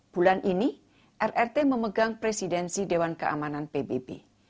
bulan ini rrt memegang presidensi dewan keamanan pbb